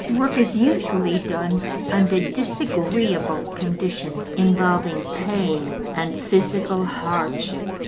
Work is usually done under disagreeable conditions, involving pain and physical hardship.